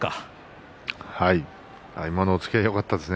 今の押っつけはよかったですね。